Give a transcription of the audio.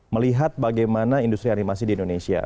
melihat bagaimana industri animasi di indonesia